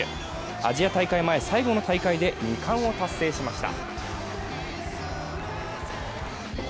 アジア大会前最後の大会で２冠を達成しました。